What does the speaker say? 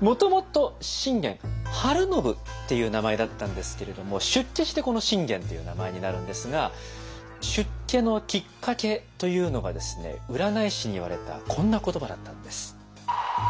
もともと信玄晴信っていう名前だったんですけれども出家してこの信玄という名前になるんですが出家のきっかけというのがですね占い師に言われたこんな言葉だったんです。